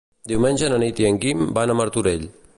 Diumenge na Nit i en Guim van a Martorell.